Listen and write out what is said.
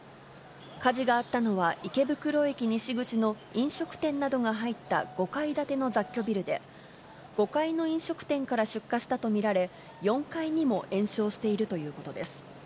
火事があったのは、池袋駅西口の飲食店などが入った５階建ての雑居ビルで、５階の飲食店から出火したと見られ、４階にも延焼しているということです。